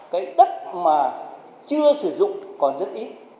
cái đất mà chưa sử dụng còn rất ít